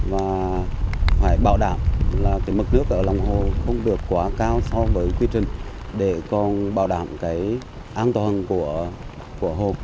và phải bảo đảm là cái mực nước ở lòng hồ không được quá cao so với quy trình để còn bảo đảm cái an toàn của hồ